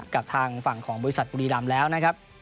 กับทางฝั่งของบริษัทบุรีรำแล้วนะครับ